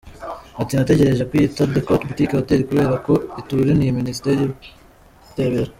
Ati “Natekereje kuyita The Court Boutique Hotel, kubera ko ituraniye Minisiteri y’Ubutabera.